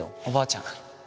おばあちゃん